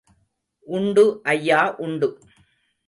உண்டு ஐயா உண்டு.